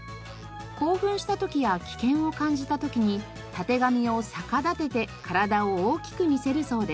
興奮した時や危険を感じた時にタテガミを逆立てて体を大きく見せるそうです。